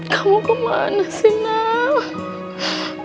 kamu kemana sih nak